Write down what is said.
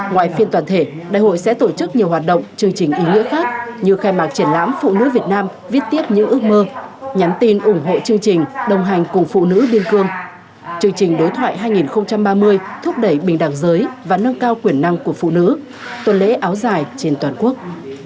ngoài phiên toàn thể đại hội sẽ tổ chức nhiều hoạt động chương trình ý nghĩa khác như khai mạc triển lãm phụ nữ việt nam viết tiếp những ước mơ nhắn tin ủng hộ chương trình đồng hành cùng phụ nữ biên cương chương trình đối thoại hai nghìn ba mươi thúc đẩy bình đẳng giới và nâng cao quyền năng của phụ nữ tuần lễ áo dài trên toàn quốc